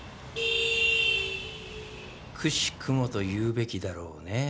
くしくもと言うべきだろうねえ。